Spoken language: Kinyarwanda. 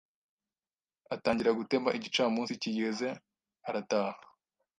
atangira gutema igicamunsi kigeze arataha.